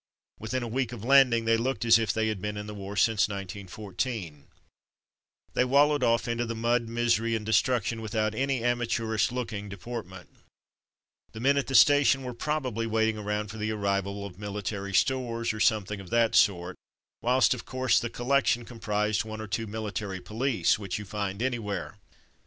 Within a week of landing they looked as if they had been in the war since 19 14. They wallowed off into the mud, misery, and destruction, 17 258 From Mud to Mufti without any amateurish looking deport ment. The men at the station were probably waiting around for the arrival of military stores, or something of that sort, whilst, of course, the collection comprised one or two military police, which you find anywhere.